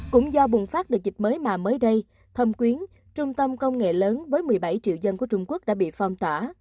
cũng do bùng phát đợt dịch mới mà mới đây thâm quyến trung tâm công nghệ lớn với một mươi bảy triệu dân của trung quốc đã bị phong tỏa